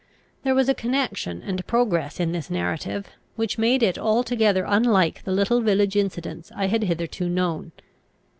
There was a connection and progress in this narrative, which made it altogether unlike the little village incidents I had hitherto known.